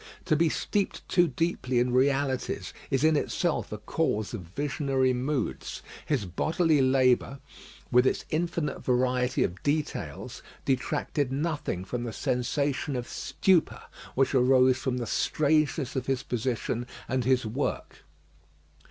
To be steeped too deeply in realities is in itself a cause of visionary moods. His bodily labour, with its infinite variety of details, detracted nothing from the sensation of stupor which arose from the strangeness of his position and his work.